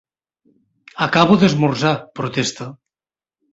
Acabo d'esmorzar! —protesta.